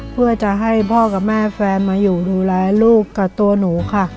เพื่อจะให้พ่อกับแม่แฟนมาอยู่ดูแลลูกกับตัวหนูค่ะ